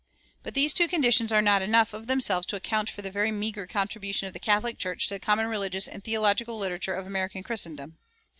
But these two conditions are not enough, of themselves, to account for the very meager contribution of the Catholic Church to the common religious and theological literature of American Christendom.